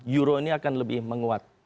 euro ini akan lebih menguat